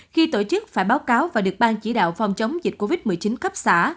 khi tổ chức phải báo cáo và được ban chỉ đạo phòng chống dịch covid một mươi chín cấp xã